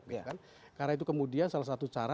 karena itu kemudian salah satu cara